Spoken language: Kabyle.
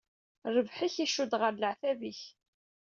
Rrbeḥ-ik icudd ɣer leɛtab-ik.